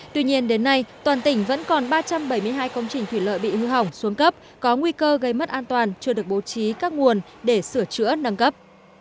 tuy nhiên đến nay toàn tỉnh vẫn còn ba trăm bảy mươi hai công trình thủy lợi bị hư hỏng xuống cấp có nguy cơ gây mất an toàn chưa được bố trí các nguồn để sửa chữa nâng cấp